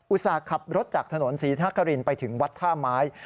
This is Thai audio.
อุตส่าห์ขับรถจากถนนศรีทะกรินไปถึงวัดธาหมาย